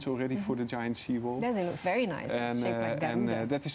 dan ada desain yang sangat bagus